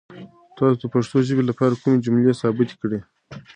تاسو د پښتو ژبې لپاره کومې جملې ثبت کړي؟